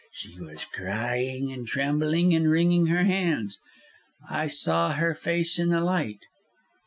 She was crying, and trembling and wringing her hands. I saw her face in the light.